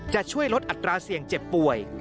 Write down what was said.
จะช่วยลดอัตราเสี่ยงเจ็บป่วย